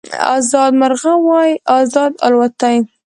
ازاد مرغه وای ازاد الوتای